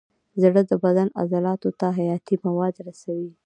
زړه د بدن عضلاتو ته حیاتي مواد رسوي.